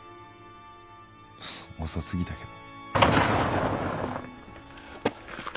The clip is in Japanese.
遅すぎたけど」